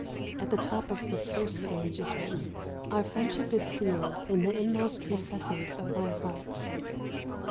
At the top of the first page is written, "Our friendship is sealed in the inmost recesses of my heart."